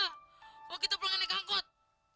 bahwa kita pulangin di kangkut